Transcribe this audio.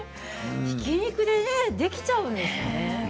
ひき肉でできちゃうんですね。